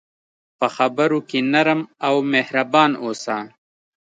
په خبرو کې نرم او مهربان اوسه.